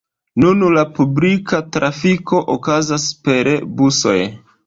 Nun la publika trafiko okazas per busoj.